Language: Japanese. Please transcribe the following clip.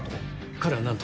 彼は何と？